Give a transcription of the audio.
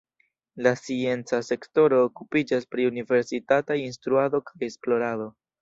La scienca sektoro okupiĝas pri universitataj instruado kaj esplorado.